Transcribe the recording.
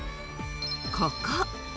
［ここ］